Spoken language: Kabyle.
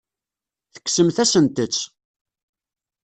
Tekksemt-asent-tt.